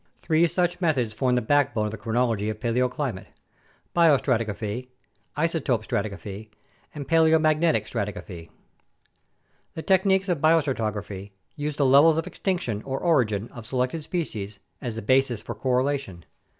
Three such methods form the backbone of the chronology of paleoclimate : biostratigraphy, isotope stratigraphy, and paleomag netic stratigraphy. The techniques of biostratigraphy use the levels of extinction or origin of selected species as the basis for correlation.